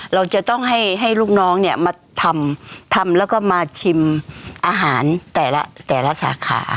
เราจะต้องให้ลูกน้องมาทำแล้วก็มาชิมอาหารแต่ละสาขา